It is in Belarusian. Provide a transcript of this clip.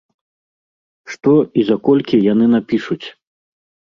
Што і за колькі яны напішуць?